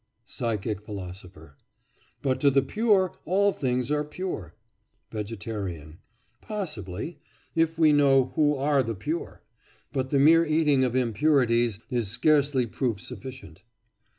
PSYCHIC PHILOSOPHER: But to the pure all things are pure. VEGETARIAN: Possibly—if we know who are the pure. But the mere eating of impurities is scarcely proof sufficient.